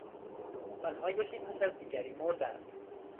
آنها یکی پس از دیگری مردند.